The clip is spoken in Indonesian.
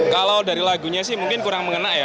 kalau dari lagunya sih mungkin kurang mengena ya